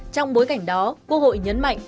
trong bối cảnh đó quốc hội nhấn mạnh